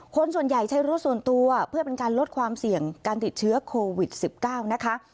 คนส่วนใหญ่ใช้รถส่วนตัวเพื่อเป็นการลดความเสี่ยงการติดเชื้อโควิด๑๙นะคะ